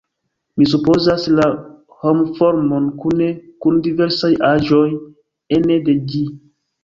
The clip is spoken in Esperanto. Mi supozas, la homformon kune kun diversaj aĵoj ene de ĝi.